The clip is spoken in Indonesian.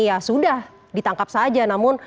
ya sudah ditangkap saja namun